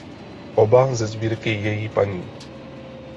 Oba ze sbírky její paní.